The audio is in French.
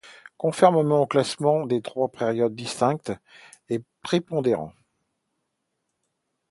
Conformément le classement des trois périodes distinctives en prépondérant.